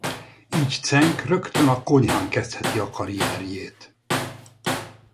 Így Cenk rögtön a konyhán kezdheti a karrierjét.